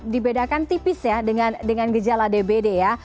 dibedakan tipis ya dengan gejala dbd ya